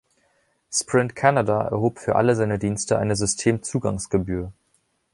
Sprint Canada erhob für alle seine Dienste eine Systemzugangsgebühr.